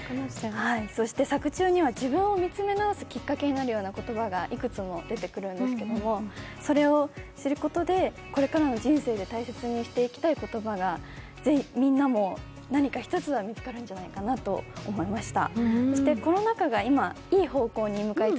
そして、作中には自分を見つめ直すきっかけになる言葉がいくつも出てくるんですけれども、それを知ることで、これからの人生で大切にしていきたい言葉が、是非みんなも何か１つは見つかるんじゃないかと思いました。